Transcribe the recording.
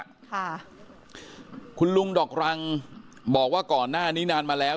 ค่ะคุณลุงดอกรังบอกว่าก่อนหน้านี้นานมาแล้ว